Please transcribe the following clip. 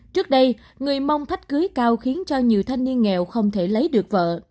trước đây người mông thách cưới cao khiến cho nhiều thanh niên nghèo không thể lấy được vợ